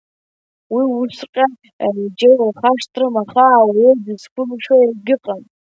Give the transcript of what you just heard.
Уи усҵәҟьа џьеи илхашҭрын, аха ауаҩы дызқәымшәо егьыҟам.